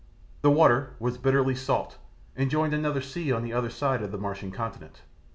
This water was bitterly salt and joined another sea on the other side of the Martian continent.